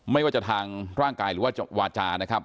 ไม่ว่าจะทางร่างกายหรือว่าวาจานะครับ